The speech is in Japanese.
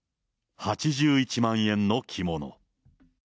８１万円の着物。